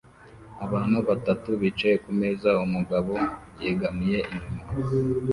Abantu batatu bicaye kumeza; umugabo yegamiye inyuma